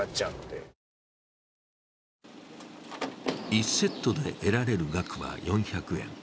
１セットで得られる額は４００円。